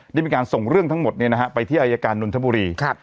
ได้มีการส่งเรื่องทั้งหมดเนี่ยนะฮะไปที่อายการนุรทบุรี